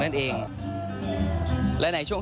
สวัสดีครับทุกคน